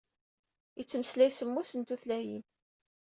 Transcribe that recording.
Ittmeslay semmus n tutlayin.